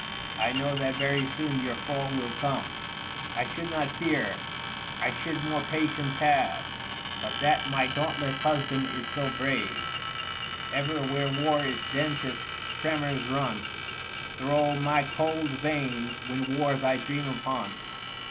805 1 know that very soon your fall will come ; I should not fear, I should more patience have But that my dauntless husband is so brave, Ever where war is densest : tremors run Thro' my cold veins when wars I dream upon."